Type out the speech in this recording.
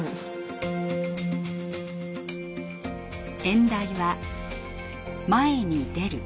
演題は「前に出る」。